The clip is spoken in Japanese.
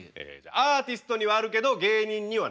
アーティストにはあるけど芸人にはない。